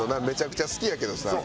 めちゃくちゃ好きやけどさ。